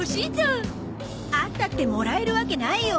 あったってもらえるわけないよ。